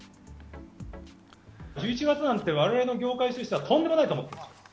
１１月なんて、われわれの業界としてはとんでもないと思ってます。